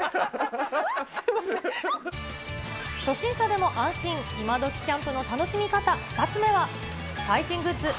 初心者でも安心、イマドキキャンプの楽しみ方、２つ目は、最新グッズ